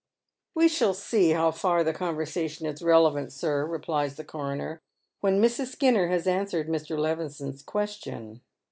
" We shall see how far the conversation is relevant, sir," replies the coroner, " when Mrs. Skinner has answered Mr. Levison'a question."